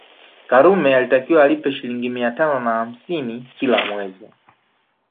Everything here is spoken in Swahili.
Karume alitakiwa alipe Shilingi mia tano na hamsini kila mwezi